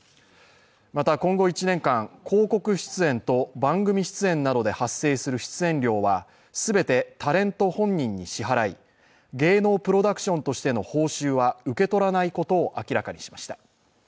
また今後１年間、広告出演と番組出演などで発生する出演料は全てタレント本人に支払い、芸能プロダクションとしての報酬は受け取らないことを明らかにしました。